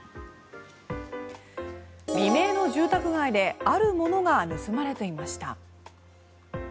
未明の住宅街であるものが盗まれていました。